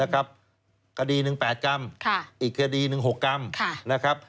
คดี๑ที่๘กรัมอีกคดีที่๑ที่๖กรัม